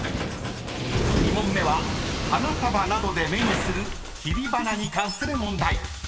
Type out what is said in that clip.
［２問目は花束などで目にする切り花に関する問題］